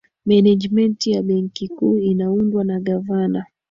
menejimenti ya benki kuu inaundwa na gavana